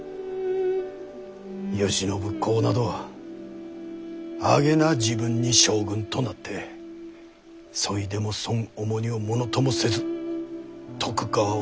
慶喜公などあげな時分に将軍となってそいでもそん重荷をものともせず徳川を立て直した。